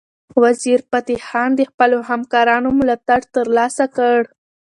وزیرفتح خان د خپلو همکارانو ملاتړ ترلاسه کړ.